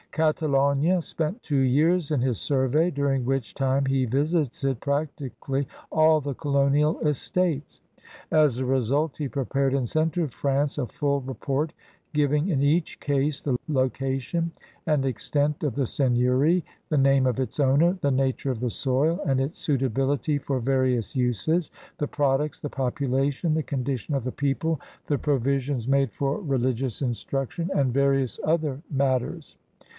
Catalogue spent two years in his survey, diiring which time he visited practically all the colonial estates. As a result he prepared and sent to France a full report giving in each case the location and extent of the seigneury, the name of its owner, the nature of the soil, and its suitability for various uses, the products, the population, the condition of the people, the provisions made for religious instruc 144 CRUSADEBS OF NEW FRANCE tion, and various other matters.